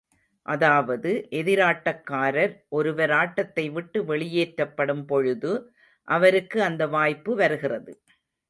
அதாவது எதிராட்டக்காரர் ஒருவர் ஆட்டத்தை விட்டு வெளியேற்றப்படும்பொழுது, அவருக்கு அந்த வாய்ப்பு வருகிறது.